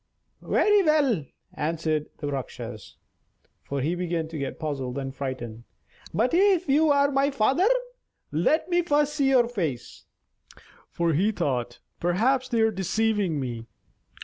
"Very well," answered the Rakshas (for he began to get puzzled and frightened); "but if you are my father, let me first see your face." (For he thought: "Perhaps they are deceiving me.")